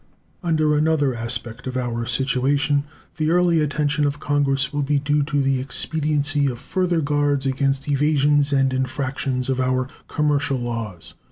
Under another aspect of our situation the early attention of Congress will be due to the expediency of further guards against evasions and infractions of our commercial laws.